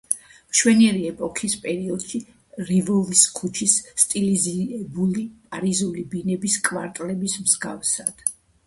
მშვენიერი ეპოქის პერიოდში რივოლის ქუჩის სტილიზებული პარიზული ბინების კვარტლების მსგავსად.